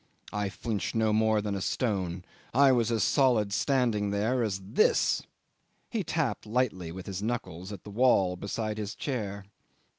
I flinched no more than a stone. I was as solid standing there as this," he tapped lightly with his knuckles the wall beside his chair.